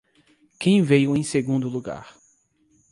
Quem veio em segundo lugar?